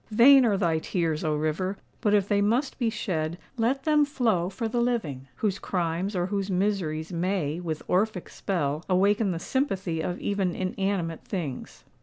Vain are thy tears, O River! But if they must be shed, let them flow for the living, whose crimes or whose miseries may, with Orphic spell, awaken the sympathy of even inanimate things.